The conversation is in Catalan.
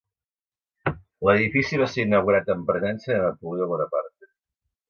L'edifici va ser inaugurat en presència de Napoleó Bonaparte.